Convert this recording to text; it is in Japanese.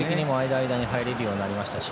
間、間に入れるようになりましたし。